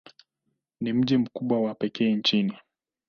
Ni mji mkubwa wa pekee nchini.